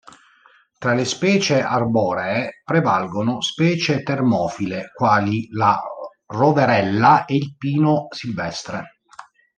Tra le specie arboree prevalgono specie termofile quali la roverella e il pino silvestre.